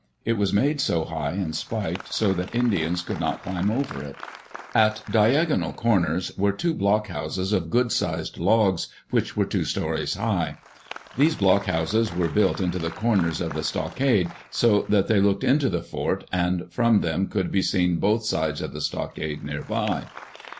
It was made so high and spiked so that Indians could not climb over it. At diagonal cor ners were two blockhouses of good sized logs, which were two stories high. These blockhouses were built into the corners of the stockade so that they looked into the fort and from them could be seen both sides of the stockade near by.